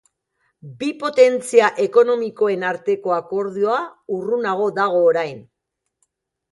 Bi potentzia ekonomikoen arteko akordioa urrunago dago orain.